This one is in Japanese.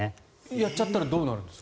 やっちゃったらどうなるんですか？